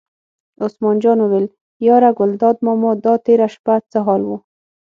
عثمان جان وویل: یاره ګلداد ماما دا تېره شپه څه حال و.